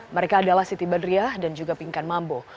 mereka adalah siti badriah dan juga pingkan mambo